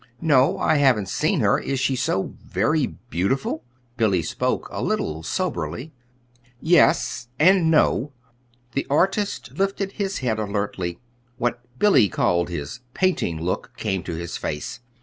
"No, I haven't seen her. Is she so very beautiful?" Billy spoke a little soberly. "Yes and no." The artist lifted his head alertly. What Billy called his "painting look" came to his face.